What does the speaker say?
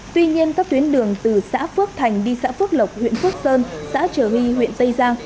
tuy nhiên các tuyến đường từ xã phước thành đi xã phước lộc huyện phước sơn xã trà huy huyện tây giang